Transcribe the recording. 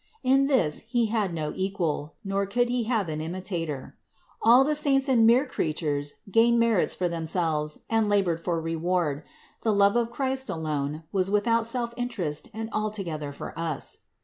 In this He had no equal, nor could He have an imitator. All the saints and mere creatures gained merits for themselves and labored for reward; the love of Christ alone was without self interest and altogether for us.